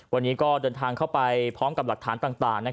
วันนี้ก็เดินทางเข้าไปพร้อมกับหลักฐานต่าง